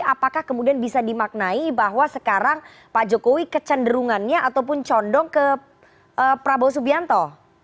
apakah kemudian bisa dimaknai bahwa sekarang pak jokowi kecenderungannya ataupun condong ke prabowo subianto